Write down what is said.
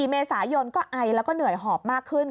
๔เมษายนก็ไอแล้วก็เหนื่อยหอบมากขึ้น